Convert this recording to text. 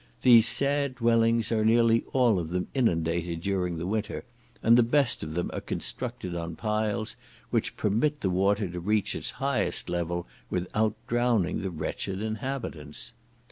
These sad dwellings are nearly all of them inundated during the winter, and the best of them are constructed on piles, which permit the water to reach its highest level without drowning the wretched inhabitants.